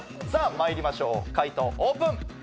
まいりましょう回答オープン！